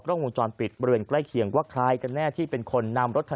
เครื่องมือจรปิดบริเวณใกล้เคียงว่า